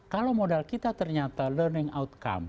kalau modal kita ternyata learning outcome